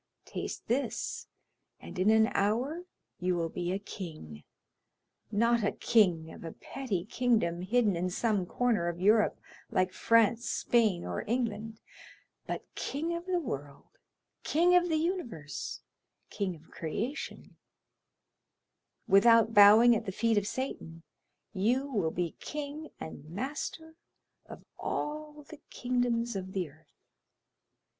taste this, and in an hour you will be a king, not a king of a petty kingdom hidden in some corner of Europe like France, Spain, or England, but king of the world, king of the universe, king of creation; without bowing at the feet of Satan, you will be king and master of all the kingdoms of the earth.